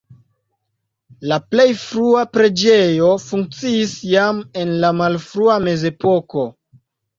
La plej frua preĝejo funkciis jam en la malfrua mezepoko.